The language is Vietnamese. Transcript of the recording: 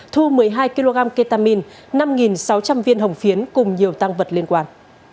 thu một mươi hai kg ketamine năm sáu trăm linh viên hồng phiến cùng nhiều tăng vật liên quan